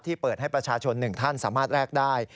เปิดให้ประชาชน๑ท่านสามารถแลกได้